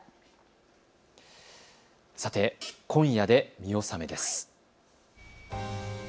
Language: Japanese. さて今夜で見納めです。